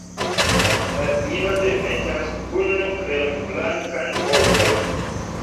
La ino demetas unu kremblankan ovon.